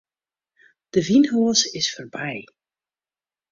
De wynhoas is foarby.